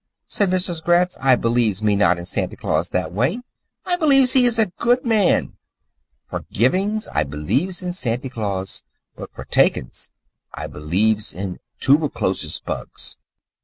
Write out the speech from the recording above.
said Mrs. Gratz. "I beliefs me not in Santy Claus that way. I beliefs he is a good old man. For givings I beliefs in Santy Claus, but for takings I beliefs in toober chlosis bugs."